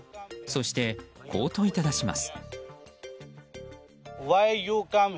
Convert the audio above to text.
そして、こう問いただします。